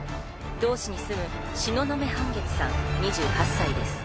同市に住む東雲半月さん２８歳です。